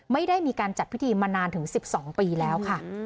ไม่ได้มีการจัดพิธีมานานถึง๑๒ปีแล้วค่ะ